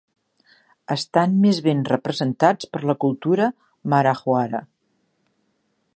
Estan més ben representats per la cultura marajoara.